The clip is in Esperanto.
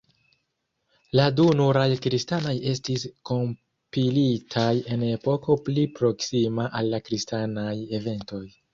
La du nuraj kristanaj estis kompilitaj en epoko pli proksima al la kristanaj eventoj.